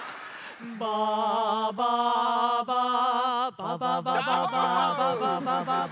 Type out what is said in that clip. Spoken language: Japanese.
「バーバーバーババババババババババ」